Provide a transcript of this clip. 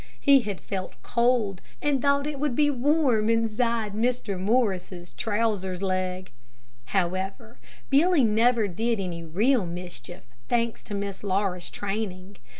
He had felt cold and thought it would be warm inside Mr. Morris' trouser's leg. However, Billy never did any real mischief, thanks to Miss Laura's training.